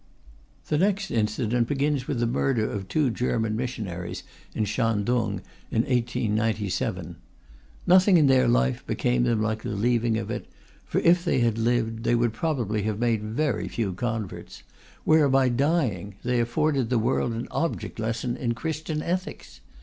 The next incident begins with the murder of two German missionaries in Shantung in 1897. Nothing in their life became them like the leaving of it; for if they had lived they would probably have made very few converts, whereas by dying they afforded the world an object lesson in Christian ethics.